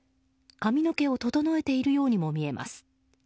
髪の毛を整えているようにも見えます。